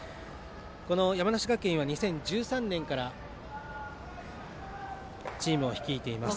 この山梨学院は２０１３年からチームを率いています。